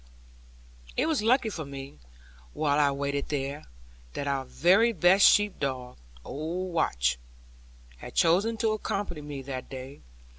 It was lucky for me, while I waited here, that our very best sheep dog, old Watch, had chosen to accompany me that day.